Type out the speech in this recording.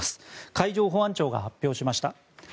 海上保安庁が発表しました。